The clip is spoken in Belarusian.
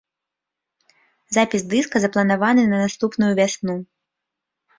Запіс дыска запланаваны на наступную вясну.